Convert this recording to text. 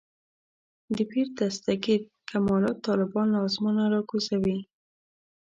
د پیر دستګیر کمالات طالبان له اسمانه راکوزوي.